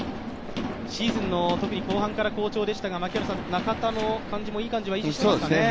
シーズンの特に後半から好調でしたが、中田の感じもいい感じでしたね。